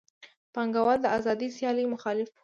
پانګوال د آزادې سیالۍ مخالف وو